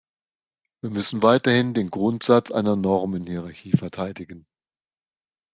Wir müssen weiterhin den Grundsatz einer Normenhierarchie verteidigen.